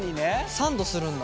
サンドするんだ。